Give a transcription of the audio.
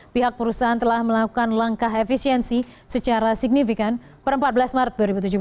pihak perusahaan telah melakukan langkah efisiensi secara signifikan per empat belas maret dua ribu tujuh belas